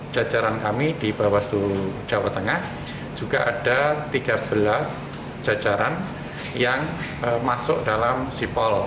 jajaran kami di bawaslu jawa tengah juga ada tiga belas jajaran yang masuk dalam sipol